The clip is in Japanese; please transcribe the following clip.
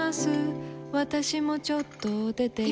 私もちょっと出ています。